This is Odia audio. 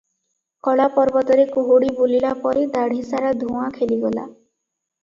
କଳା ପର୍ବତରେ କୁହୁଡ଼ି ବୁଲିଲା ପରି ଦାଢ଼ିସାରା ଧୁଆଁ ଖେଳିଗଲା ।